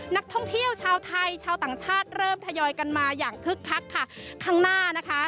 นักท่องเที่ยวชาวไทยชาวต่างชาติเริ่มทยอยกันมาอย่างคึกคักค่ะข้างหน้านะคะ